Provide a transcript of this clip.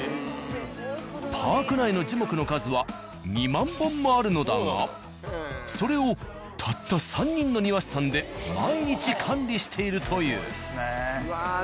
パーク内の樹木の数は２万本もあるのだがそれをたった３人の庭師さんで毎日管理しているという。